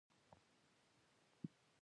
تیمور په اسانۍ سره هېواد ونیو.